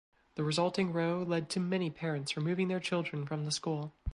The resulting row led to many parents removing their children from the school.